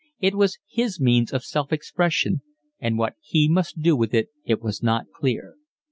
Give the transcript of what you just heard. That was his means of self expression, and what he must do with it was not clear.